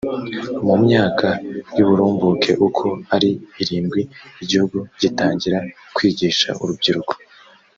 mu myaka y ‘ uburumbuke uko ari irindwi igihugu gitangira kwigisha urubyiruko.